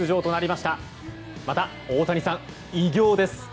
また大谷さん、偉業です。